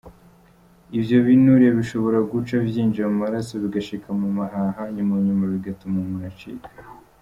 "Ivyo binure bishobora guca vyinjira mu maraso, bigashika mu mahaha munyuma bigatuma umuntu acikana.